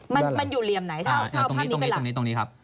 มันมันอยู่เหลี่ยมไหนเท่าถ้าเอาภาพนี้ไปหลังอ่าตรงนี้ตรงนี้ตรงนี้ครับ